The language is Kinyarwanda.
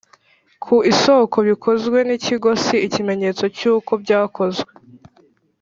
ku isoko bikozwe n Ikigo si ikimenyetso cy uko byakozwe